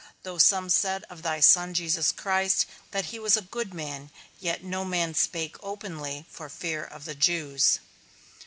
Though some said of thy Son, Christ Jesus, that he was a good man, yet no man spake openly for fear of the Jews.